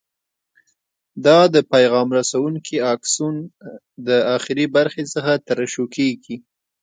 دا د پیغام رسونکي آکسون د اخري برخې څخه ترشح کېږي.